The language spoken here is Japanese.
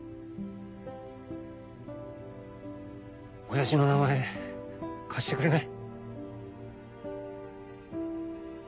親父の名前貸してくれない？